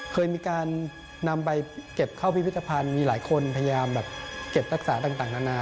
เคยมีการนำไปเก็บเข้าพิพิธภัณฑ์มีหลายคนพยายามแบบเก็บรักษาต่างนานา